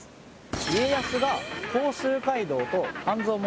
家康が甲州街道と半蔵門